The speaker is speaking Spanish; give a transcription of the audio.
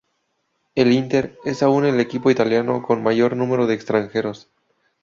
El Inter es aún el equipo italiano con mayor número de extranjeros.